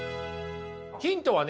ヒントはね